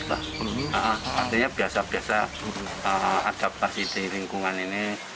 artinya biasa biasa adaptasi di lingkungan ini